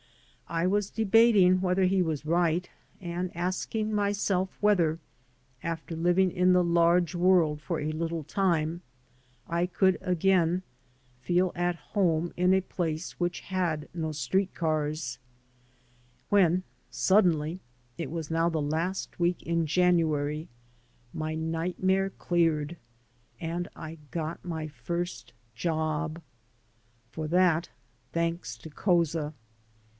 I was debating whether he was right, and asking myself whether, after living in the large world for a little time, I could again feel at home in a place which had no street cars, when suddenly — ^it was now the last week in January — ^my nightmare cleared and I got my fibrst job. For that, thanks to Couza.